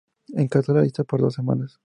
Encabezó la lista por dos semanas.